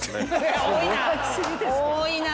多いな！